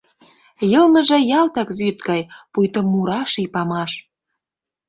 Йылмыже ялтак вӱд гай, Пуйто мура ший памаш.